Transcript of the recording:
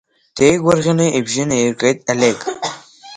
Деигәырӷьаны ибжьы наиргеит Олег.